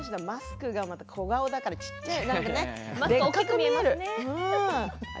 マスクが、小顔だからちっちゃい。